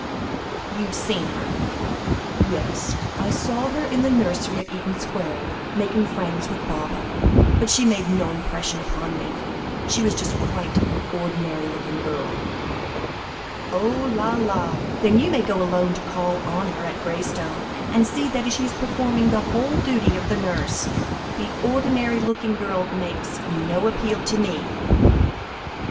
"You've seen her?" "Yes; I saw her in the nursery at Eaton Square, making friends with Baba, but she made no impression upon me; she was just quite an ordinary looking girl." "Oh! la, la! then you may go alone to call on her at Graystone, and see that she is performing the whole duty of the nurse. The ordinary looking girl makes no appeal to me."